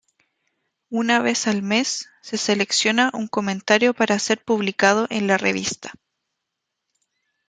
Una vez al mes, se selecciona un comentario para ser publicado en la revista.